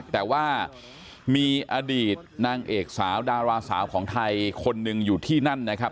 แต่ว่ามีอดีตนางเอกสาวดาราสาวของไทยคนหนึ่งอยู่ที่นั่นนะครับ